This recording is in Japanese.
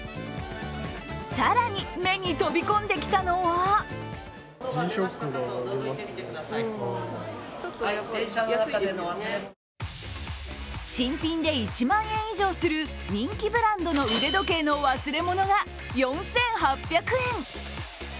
更に、目に飛び込んできたのは新品で１万円以上する人気ブランドの腕時計の忘れ物が４８００円。